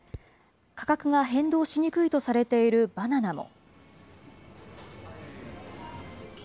価格が変動しにくいとされているバナナも。